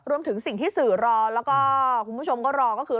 รวมถึงสิ่งที่สื่อรอแล้วก็คุณผู้ชมก็รอก็คือ